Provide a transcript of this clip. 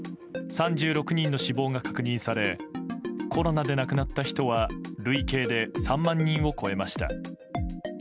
３６人の死亡が確認されコロナで亡くなった人は累計で３万人を超えました。